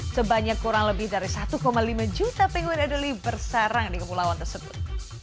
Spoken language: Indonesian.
sebanyak kurang lebih dari satu lima juta penguli bersarang di kepulauan tersebut